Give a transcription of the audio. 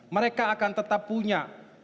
mereka akan tetap punya